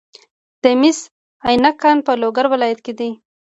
د مس عینک کان په لوګر ولایت کې دی.